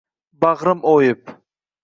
Bag’rim o’yib